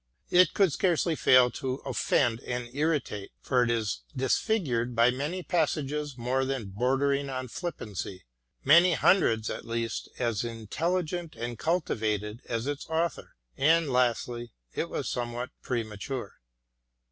It could scarcely fail to offend and irritate — ^for it is disfigured by many passages more than bordering on flippancy — many hundreds at least as intelli gent and cultivated as its author ; and, lastly, it was somewhat premature.